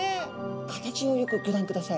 形をよくギョ覧ください。